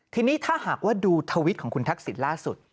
ทีนี้ถ้าหากว่าดูทวิตของคุณทักษิณล่าสุด